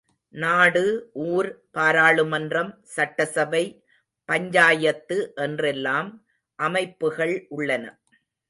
நாடு, ஊர், பாராளுமன்றம், சட்டசபை, பஞ்சாயத்து என்றெல்லாம் அமைப்புகள் உள்ளன.